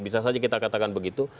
bisa saja kita katakan begitu